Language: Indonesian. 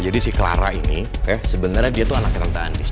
jadi si clara ini sebenarnya dia tuh anaknya tante andis